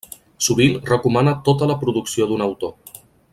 Sovint recomana tota la producció d'un autor.